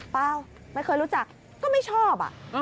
เปล่าไม่เคยรู้จักก็ไม่ชอบ